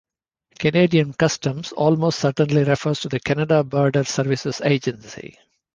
"Canadian Customs" almost certainly refers to the Canada Border Services Agency.